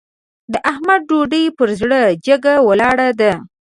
د احمد ډوډۍ پر زړه جګه ولاړه ده.